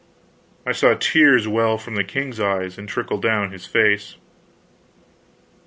I saw tears well from the king's eyes, and trickle down his face.